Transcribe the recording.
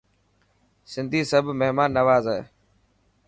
سنڌي سب مهمان نواز هي.